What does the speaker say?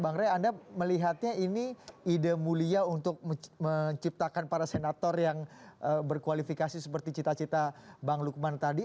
bang rey anda melihatnya ini ide mulia untuk menciptakan para senator yang berkualifikasi seperti cita cita bang lukman tadi